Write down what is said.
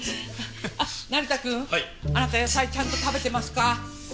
あっ成田君あなた野菜ちゃんと食べてますか？